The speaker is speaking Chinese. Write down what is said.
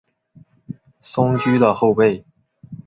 松驹的后辈。